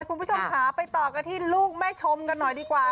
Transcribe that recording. คุณผู้ชมค่ะไปต่อกันที่ลูกแม่ชมกันหน่อยดีกว่า